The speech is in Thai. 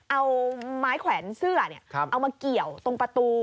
เอาไม้แขวนเสื้อเอามาเกี่ยวตรงประตู